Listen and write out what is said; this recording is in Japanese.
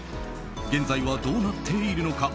現在はどうなっているのか？